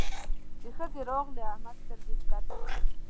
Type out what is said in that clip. چې ښځې راغلې؛ احمد سترګې کښته کړې.